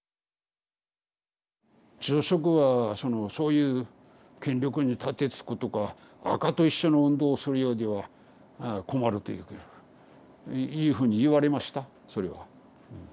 住職はそのそういう権力に盾つくとかアカと一緒の運動をするようでは困るといういうふうに言われましたそれは。